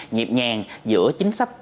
nhịp nhàng giữa chính sách